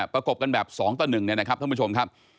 ประกบกันแบบ๒ต่อ๑เนี่ยนะครับท่านผู้ชมครับ